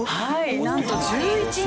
なんと１１人。